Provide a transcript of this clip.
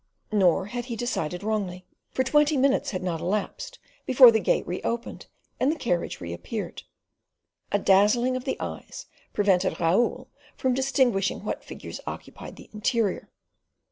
Nor had he decided wrongly; for twenty minutes had not elapsed before the gate reopened and the carriage reappeared. A dazzling of the eyes prevented Raoul from distinguishing what figures occupied the interior.